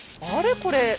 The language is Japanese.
あれ？